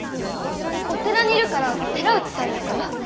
お寺にいるから寺内さんっていうのは？